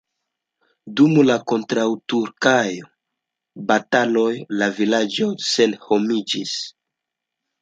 Dum la kontraŭturkaj bataloj la vilaĝoj senhomiĝis.